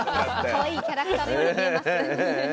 かわいいキャラクターのように見えます。